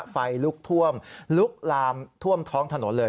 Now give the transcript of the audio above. ไฟลุกท่วมลุกลามท่วมท้องถนนเลย